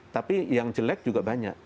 tapi yang jelek juga banyak